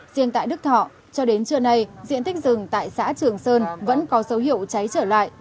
riêng tại đức thọ cho đến trưa nay diện tích rừng tại xã trường sơn vẫn có dấu hiệu cháy trở lại